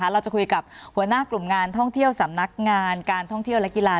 เราจะคุยกับหัวหน้ากลุ่มงานท่องเที่ยวสำนักงานการท่องเที่ยวและกีฬา